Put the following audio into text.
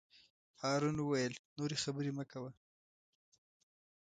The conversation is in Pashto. هارون وویل: نورې خبرې مه کوه.